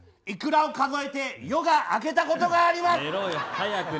イクラを数えて夜が明けたことがあります。